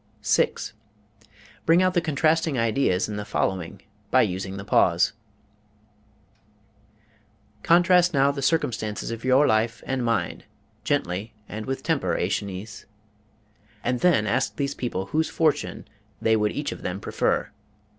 Bring out the contrasting ideas in the following by using the pause: Contrast now the circumstances of your life and mine, gently and with temper, Æschines; and then ask these people whose fortune they would each of them prefer.